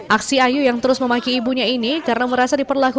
aksi ayu yang terus memaki ibunya ini karena merasa diperlakukan